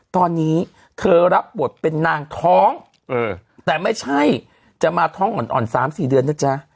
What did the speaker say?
ตอนนี้เธอรับบทเป็นนางท้องแต่ไม่ใช่จะมาท้องอ่อน๓๔เดือนนะจ๊ะ